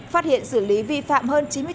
phát hiện xử lý vi phạm hồi trước